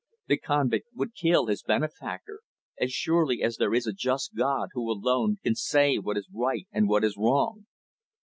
The convict would kill his benefactor as surely as there is a just God who, alone, can say what is right and what is wrong."